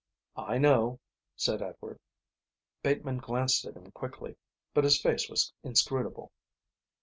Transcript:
"I know," said Edward. Bateman glanced at him quickly, but his face was inscrutable.